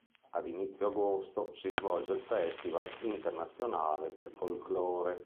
Ad inizio agosto si svolge il festival internazionale del Folklore.